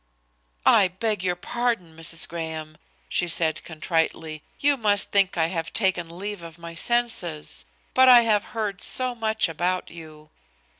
"I beg your pardon, Mrs. Graham," she said contritely; "you must think I have taken leave of my senses. But I have heard so much about you."